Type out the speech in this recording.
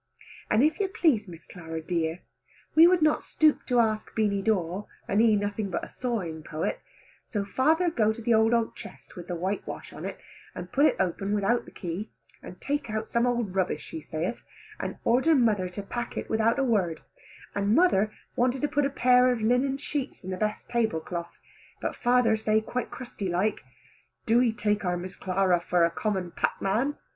And if you please Miss Clara dear, we would not stoop to ask Beany Dawe and he nothing but a sawing poet; so father go to the old oak chest with the whitewash on it, and pull it open without the key, and take out some old rubbish he saith, and order mother to pack it without a word, and mother want to put in a pair of linen sheets and the best table cloth, but father say quite crusty like, "Do e take our Miss Clara for a common packman?"